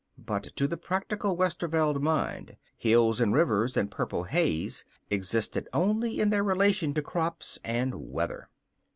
But to the practical Westerveld mind, hills and rivers and purple haze existed only in their relation to crops and weather.